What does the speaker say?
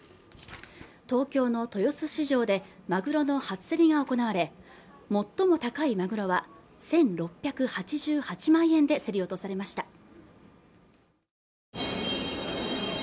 東京の豊洲市場でマグロの初競りが行われ最も高いマグロは１６８８万円で競り落とされました